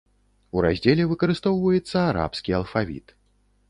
У раздзеле выкарыстоўваецца арабскі алфавіт.